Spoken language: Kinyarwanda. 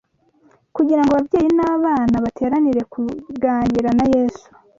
kugira ngo ababyeyi n’abana bateranire kuganira na Yesu